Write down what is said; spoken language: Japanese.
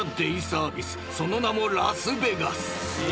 ［その名もラスベガス］